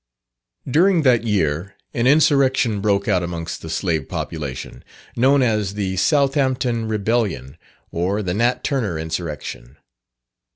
During that year, an insurrection broke out amongst the slave population, known as the Southampton Rebellion, or the "Nat Turner Insurrection."